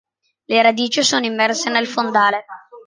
Le radici sono immerse nel fondale.